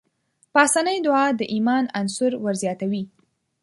پاسنۍ دعا د ايمان عنصر ورزياتوي.